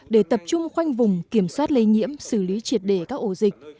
để tập trung khoanh vùng kiểm soát lây nhiễm xử lý triệt để các ổ dịch